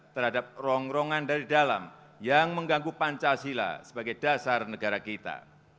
terhadap rongrongan dari dalam yang mengganggu pancasila sebagai dasar negara kita